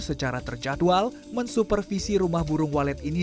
secara terjadwal mensupervisi rumah burung walet ini